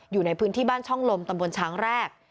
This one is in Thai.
อยู่ในพื้นที่บ้านช่องลมตำบลช้างแรก